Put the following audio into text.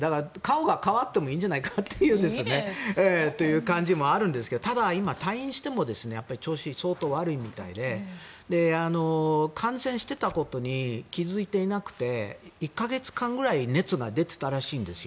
顔が変わってもいいんじゃないかなという感じもあるんですがただ、今、退院しても調子が相当悪いみたいで感染していたことに気付いていなくて１か月間ぐらい熱が出ていたらしいんです。